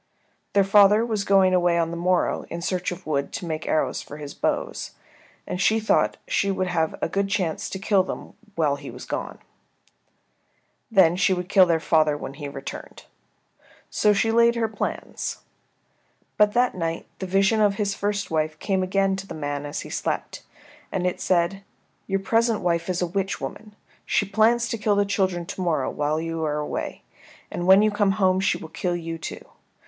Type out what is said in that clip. Their father was going away on the morrow in search of wood to make arrows for his bows, and she thought she would have a good chance to kill them while he was gone. Then she would kill their father when he returned. So she laid her plans. But that night the vision of his first wife came again to the man as he slept, and it said, "Your present wife is a witch woman. She plans to kill the children to morrow when you are away, and when you come home she will kill you, too.